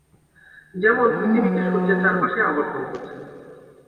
যেমন পৃথিবীকে সূর্যের চারপাশে আবর্তন করছে।